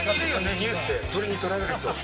ニュースで鳥にとられる人。